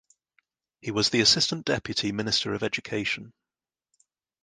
He was the assistant deputy minister of education.